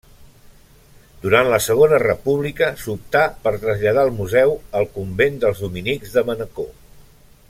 Durant la Segona República s'optà per traslladar el museu al convent dels dominics de Manacor.